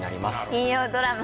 金曜ドラマ